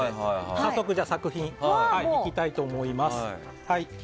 早速、作品を見ていきたいと思います。